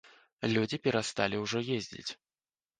Людзі перасталі ўжо ездзіць.